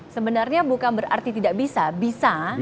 sebenarnya bukan berarti tidak bisa bisa